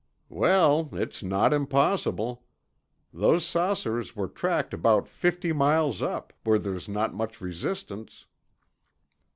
"Well, it's not impossible. Those saucers were tracked about fifty miles up, where there's not much resistance."